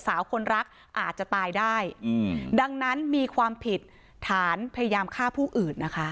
สาวคนรักอาจจะตายได้อืมดังนั้นมีความผิดฐานพยายามฆ่าผู้อื่นนะคะ